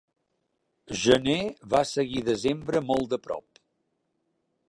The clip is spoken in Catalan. Gener va seguir desembre molt de prop.